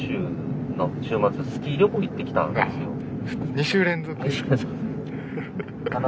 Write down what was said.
２週連続？